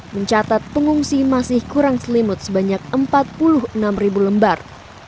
mencatat pengungsi masih kurang selimut sebanyak empat puluh enam ribu lembar